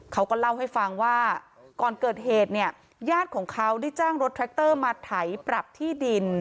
เขาก็เล่าให้ฟังว่าก่อนเกิดเหตุเนี่ยญาติของเขาได้จ้างรถแทรคเตอร์มาไถปรับที่ดิน